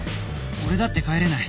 俺だって帰れない